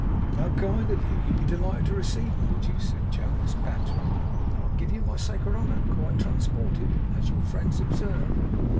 'How kind of you! You'd be delighted to receive 'em, would you?' said Jonas, bantering. 'I give you my sacred honour, quite transported. As your friends, observe!